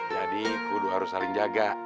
jadi ibu harus saling jaga